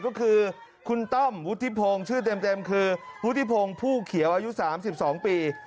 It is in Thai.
ก็คือคุณต้อมวุฒิพงศ์ชื่อเต็มคือวุฒิพงศ์ผู้เขียวอายุ๓๒ปี